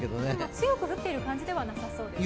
強く降っている感じではなさそうですね。